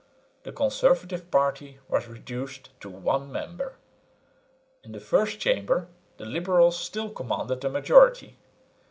The conservative party was reduced to one member. In the First Chamber the liberals still commanded a majority.